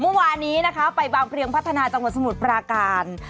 เมื่อวานนี้นะคะไปบางเพลียงพัฒนาจังหวัดสมุทรปราการ